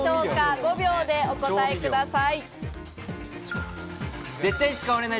５秒でお答えください。